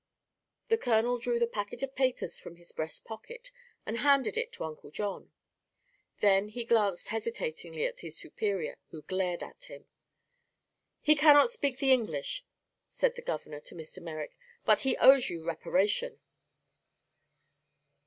The colonel drew the packet of papers from his breast pocket and handed it to Uncle John. Then he glanced hesitatingly at his superior, who glared at him. "He cannot speak the English," said the governor to Mr. Merrick, "but he owes you reparation."